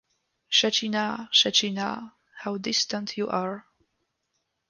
Shechinah, Shechinah, how distant you are!